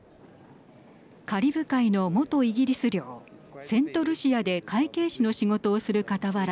カリブ海の元イギリス領セントルシアで会計士の仕事をするかたわら